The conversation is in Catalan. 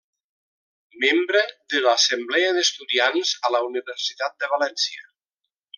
Membre de l'Assemblea d'Estudiants a la Universitat de València.